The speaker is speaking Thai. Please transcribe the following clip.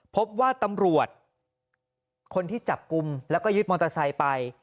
พบว่าตำรวจคนที่จับกลุ่มแล้วก็ยึดมอเตอร์ไซค์ไป